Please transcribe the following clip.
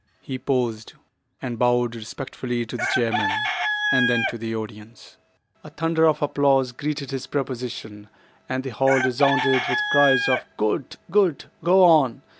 He paused and bowed respectfully to the chairman and then to the audience. A thunder of applause greeted his proposition, and the hall resounded with cries of "Good! good!" "Go on!"